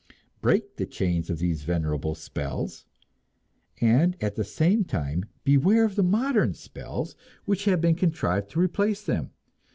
Break the chains of these venerable spells; and at the same time beware of the modern spells which have been contrived to replace them!